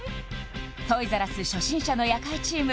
トイザらス初心者の夜会チーム